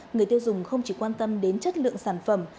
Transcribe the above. người tiêu dùng không chỉ quan tâm đến chất lượng sản phẩm